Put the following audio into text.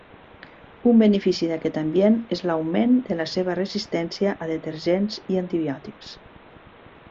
Un benefici d'aquest ambient és l'augment de la seva resistència a detergents i antibiòtics.